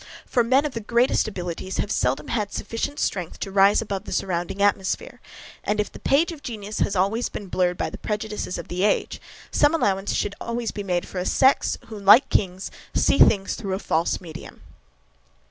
For men of the greatest abilities have seldom had sufficient strength to rise above the surrounding atmosphere; and, if the page of genius has always been blurred by the prejudices of the age, some allowance should be made for a sex, who, like kings, always see things through a false medium.